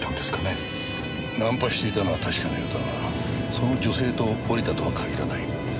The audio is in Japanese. ナンパしていたのは確かなようだがその女性と降りたとは限らない。